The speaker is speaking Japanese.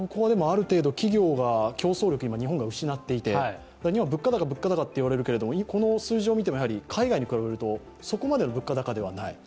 企業が競争力を今、失っていて、日本は物価高と言われるけれども、この数字を見ても、海外に比べるとそこまでの物価高ではない。